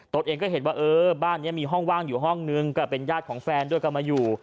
ตัวเองก็เห็นว่าเออบ้านนี้มีห้องว่างอยู่ห้องนึงก็เป็นญาติของแฟนด้วยก็มาอยู่